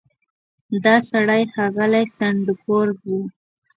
دا سړی ښاغلی سنډفورډ و.